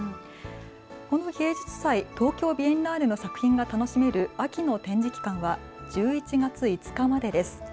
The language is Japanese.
この芸術祭、東京ビエンナーレの作品が楽しめる秋の展示期間は１１月５日までです。